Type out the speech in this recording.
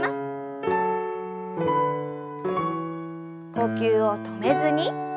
呼吸を止めずに。